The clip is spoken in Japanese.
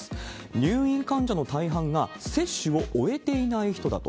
入院患者の大半が接種を終えていない人だと。